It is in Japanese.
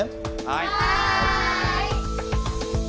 はい！